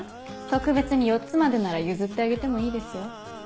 特別に４つまでなら譲ってあげてもいいですよ。